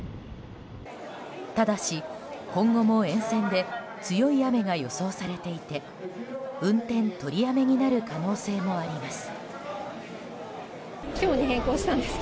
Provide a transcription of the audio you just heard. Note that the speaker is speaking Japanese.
ただし、今後も沿線で強い雨が予想されていて運転取りやめになる可能性もあります。